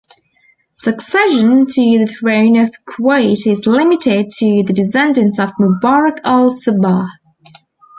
Succession to the throne of Kuwait is limited to the descendants of Mubarak Al-Sabah.